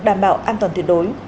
đảm bảo an toàn tuyệt đối